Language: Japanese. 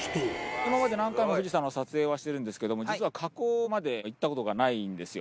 今まで何回も富士山の撮影はしてるんですけども、実は火口まで行ったことがないんですよ。